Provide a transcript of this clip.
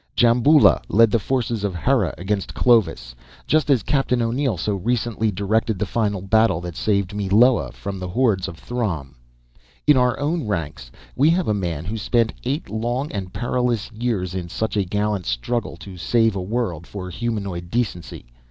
Djamboula led the forces of Hera against Clovis, just as Captain O'Neill so recently directed the final battle that saved Meloa from the hordes of Throm. In our own ranks, we have a man who spent eight long and perilous years in such a gallant struggle to save a world for humanoid decency.